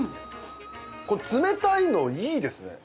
これ冷たいのいいですね。